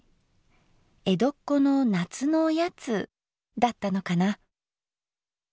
江戸っ子の夏のおやつだったのかな。